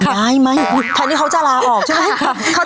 ได้ไหมแทนที่เขาจะลาออกใช่ไหม